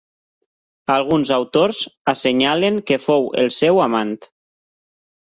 Alguns autors assenyalen que fou el seu amant.